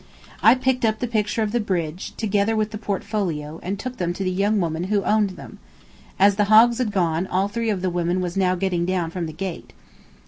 I picked up the picture of the bridge, together with the portfolio, and took them to the young woman who owned them. As the hogs had gone, all three of the women was now getting down from the gate.